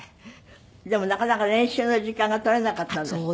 でもなかなか練習の時間が取れなかったんですって？